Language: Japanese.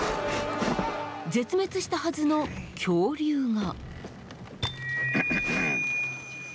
絶滅したはずの恐竜が。